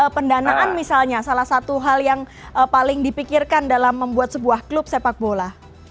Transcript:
pendanaan misalnya salah satu hal yang paling dipikirkan dalam membuat sebuah klub sepak bola